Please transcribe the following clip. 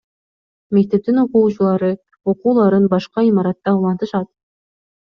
Мектептин окуучулары окууларын башка имаратта улантышат.